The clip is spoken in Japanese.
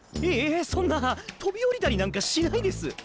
いえそんな飛び降りたりなんかしないです。